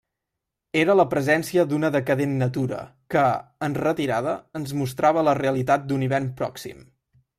Era la presència d'una decadent natura que, en retirada, ens mostrava la realitat d'un hivern pròxim.